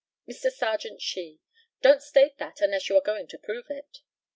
Mr. Serjeant SHEE: Don't state that unless you are going to prove it.